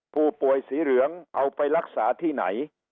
ผู้ป่วยสีเหลืองเอาไปรักษาที่ไหน